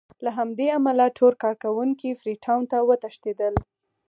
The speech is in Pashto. له همدې امله ټول کارکوونکي فري ټاون ته وتښتېدل.